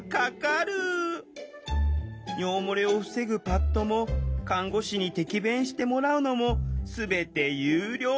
尿漏れを防ぐパッドも看護師に摘便してもらうのも全て有料。